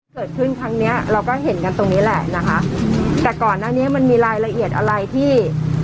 ครั้งเนี้ยเราก็เห็นกันตรงนี้แหละนะคะแต่ก่อนหน้านี้มันมีรายละเอียดอะไรที่